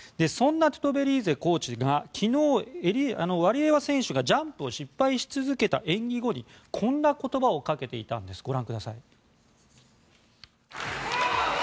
そんなトゥトベリーゼコーチが昨日、ワリエワ選手がジャンプを失敗し続けた演技後にこんな言葉をかけていたんです。